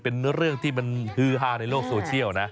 เป็นเรื่องที่มันฮือฮาในโลกโซเชียลนะ